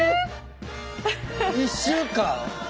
１週間？